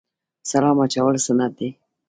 سلام اچول سنت دي